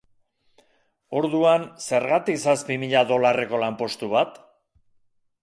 Orduan zergatik zazpi mila dolarreko lanpostu bat?